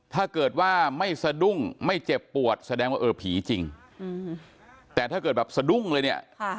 ถ้าเกิดว่าไม่สะดุ้งไม่เจ็บปวดแสดงว่าเออผีจริงแต่ถ้าเกิดแบบสะดุ้งเลยเนี่ย